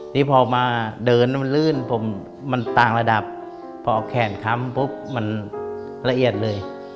นี่พอมาเดินมันลื่นผมมันต่างระดับพอแขนค้ำปุ๊บมันละเอียดเลย